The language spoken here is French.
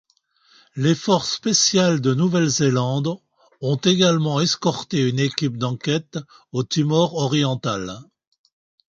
Les forces spéciales de Nouvelle-Zélande ont également escorté une équipe d'enquête au Timor oriental.